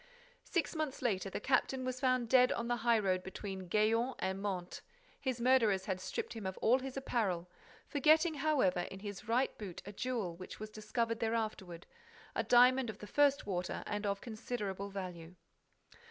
Six months later, the captain was found dead on the highroad between Gaillon and Mantes. His murderers had stripped him of all his apparel, forgetting, however, in his right boot a jewel which was discovered there afterward, a diamond of the first water and of considerable value.